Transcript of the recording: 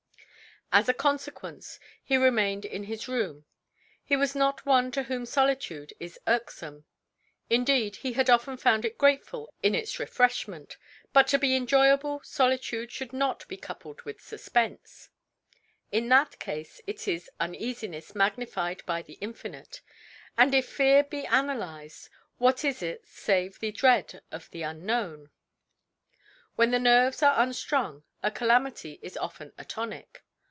As a consequence he remained in his room. He was not one to whom solitude is irksome, indeed he had often found it grateful in its refreshment, but to be enjoyable solitude should not be coupled with suspense; in that case it is uneasiness magnified by the infinite. And if fear be analyzed, what is it save the dread of the unknown? When the nerves are unstrung a calamity is often a tonic.